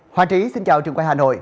hoàng trí xin chào trường quay hà nội